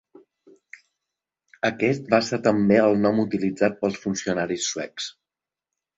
Aquest va ser també el nom utilitzat pels funcionaris suecs.